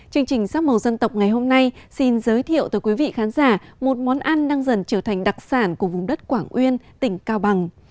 chương trình sắc màu dân tộc ngày hôm nay xin giới thiệu tới quý vị khán giả một món ăn đang dần trở thành đặc sản của vùng đất quảng uyên tỉnh cao bằng